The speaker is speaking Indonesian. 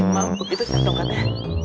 maaf begitu cantong kan eh